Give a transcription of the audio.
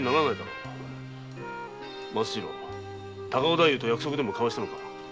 松次郎高尾太夫と約束でもしたのか？